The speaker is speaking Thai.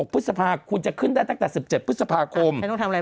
๑๖พฤษภาคมคุณจะขึ้นได้ตั้งแต่๑๗พฤษภาคม